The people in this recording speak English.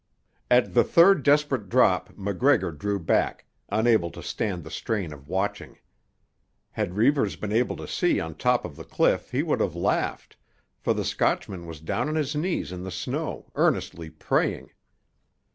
At the third desperate drop MacGregor drew back, unable to stand the strain of watching. Had Reivers been able to see on top of the cliff he would have laughed, for the Scotchman was down on his knees in the snow, earnestly praying.